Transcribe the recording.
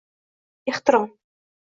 Ehtirom